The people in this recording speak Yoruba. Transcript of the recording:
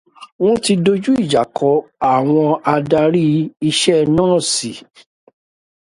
Wọ́n ti dojú ìjà kọ àwọn adárí iṣẹ́ nọ́ọ̀sì